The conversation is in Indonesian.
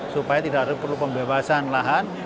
supaya tidak perlu pembebasan lahan